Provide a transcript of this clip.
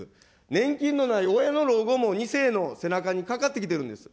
年金のない親の老後も２世の背中にかかってきてるんです